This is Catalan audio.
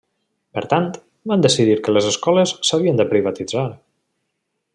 Per tant, van decidir que les escoles s'havien de privatitzar.